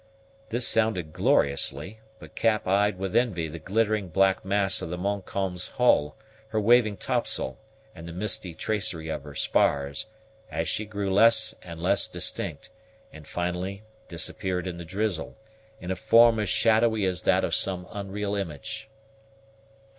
This sounded gloriously, but Cap eyed with envy the glittering black mass of the Montcalm's hull, her waving topsail, and the misty tracery of her spars, as she grew less and less distinct, and finally disappeared in the drizzle, in a form as shadowy as that of some unreal image.